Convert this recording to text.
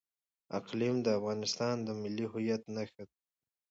اقلیم د افغانستان د ملي هویت نښه ده.